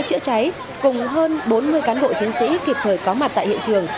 bốn xe chữa cháy cùng hơn bốn mươi cán bộ chiến sĩ kịp thời có mặt tại hiện trường